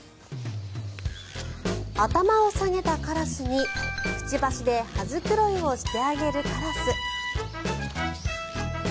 頭を下げたカラスにくちばしで羽繕いをしてあげるカラス。